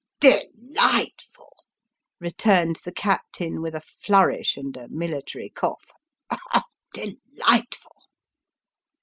" De lightful !" returned the captain, with a flourish, and a military cough ;" do lightful